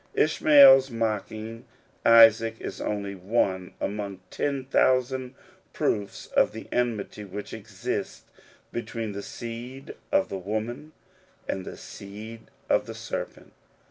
Ishmael's mocking Isaac is only one among ten thousand proofs of the enmity which exists be tween the seed of the woman and the seed of the serpent.